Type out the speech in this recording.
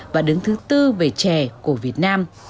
và đứng thứ bốn về chè của việt nam